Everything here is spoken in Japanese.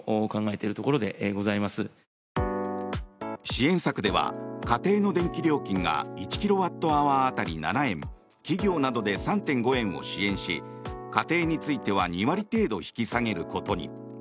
支援策では家庭の電気料金が１キロワットアワー当たり７円企業などで３．５円を支援し家庭については２割程度引き下げることに。